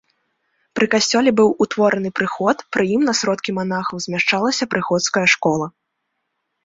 Пры касцёле быў утвораны прыход, пры ім на сродкі манахаў змяшчалася прыходская школа.